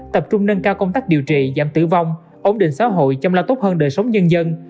tập trung nâng cao công tác điều trị giảm tử vong ổn định xã hội chăm lo tốt hơn đời sống nhân dân